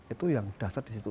itu yang dasar di situ